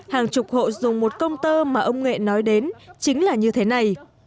hàng chục hộ dùng một công tơ mà ông nghệ nói đến chính là như thế này